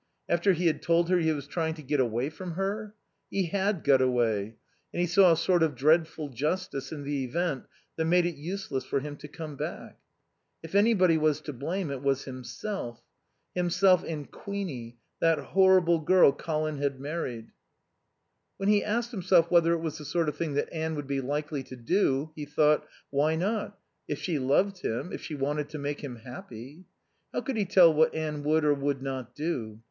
After he had told her he was trying to get away from her? He had got away; and he saw a sort of dreadful justice in the event that made it useless for him to come back. If anybody was to blame it was himself. Himself and Queenie, that horrible girl Colin had married. When he asked himself whether it was the sort of thing that Anne would be likely to do he thought: Why not, if she loved him, if she wanted to make him happy? How could he tell what Anne would or would not do?